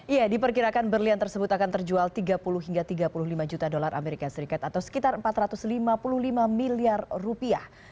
ya diperkirakan berlian tersebut akan terjual tiga puluh hingga tiga puluh lima juta dolar amerika serikat atau sekitar empat ratus lima puluh lima miliar rupiah